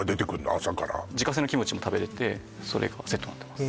朝から自家製のキムチも食べれてそれがセットになってます